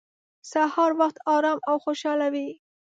سهار وخت ارام او خوشحاله وي.